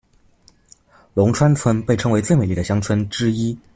龙川村被称为最美丽的乡村之一。